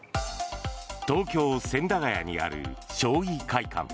東京・千駄ヶ谷にある将棋会館。